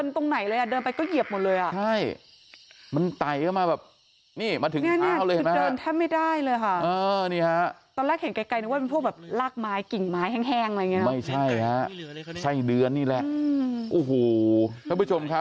ท่านผู้ชมครับ